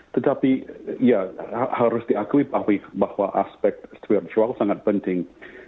tetapi ya harus diakui bahwa aspek spiritual sangat penting